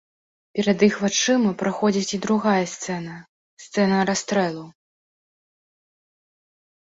Перад іх вачыма праходзіць і другая сцэна, сцэна расстрэлу.